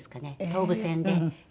東武線で。